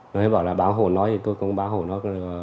nói bảo là bán hổ nó thì tôi cũng bán hổ nó